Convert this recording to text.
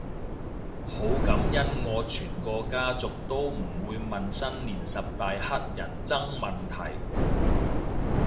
好感恩我全個家族都唔會問新年十大乞人憎問題